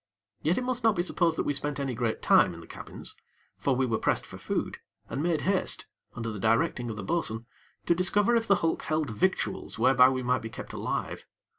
Yet it must not be supposed that we spent any great time in the cabins; for we were pressed for food, and made haste under the directing of the bo'sun to discover if the hulk held victuals whereby we might be kept alive.